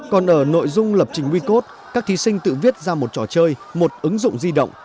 còn ở nội dung lập trình wecode các thí sinh tự viết ra một trò chơi một ứng dụng di động